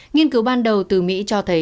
nghiên cứu ban đầu từ mỹ cho thấy